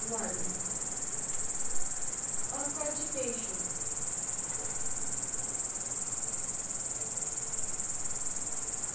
A COGITATION.